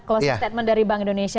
closing statement dari bank indonesia